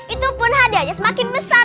itu pun hadiahnya semakin besar